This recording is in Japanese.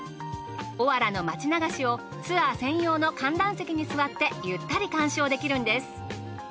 おわらの町流しをツアー専用の観覧席に座ってゆったり鑑賞できるんです。